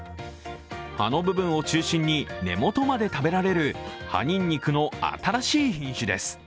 葉の部分を中心に根元まで食べられる葉にんにくの新しい品種です。